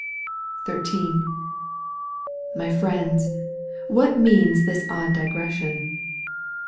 XIII. My friends, what means this odd digression